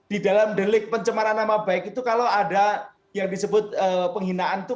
di dalam delik pencemaran nama baik itu kalau ada yang disebut penghinaan itu